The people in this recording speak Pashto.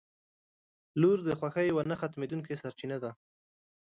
• لور د خوښۍ یوه نه ختمېدونکې سرچینه ده.